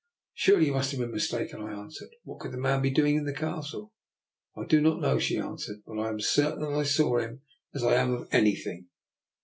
'* Surely you must have been mistaken," I answered. What could the man be doing in the Castle? "I do not know," she answered. " But I am as certain I saw him as I am of anything.